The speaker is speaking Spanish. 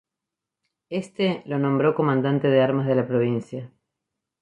Éste lo nombró comandante de armas de la provincia.